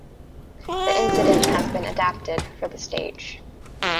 The incident has been adapted for the stage.